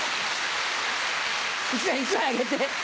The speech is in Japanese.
１枚あげて。